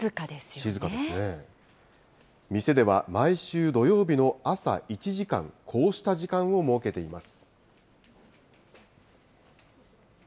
静かですね、店では、毎週土曜日の朝１時間、こうした時間を設けています。